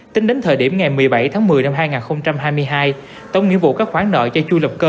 tính đến thời điểm ngày một mươi bảy tháng một mươi năm hai nghìn hai mươi hai tổng nghĩa vụ các khoản nợ cho chu lập cơ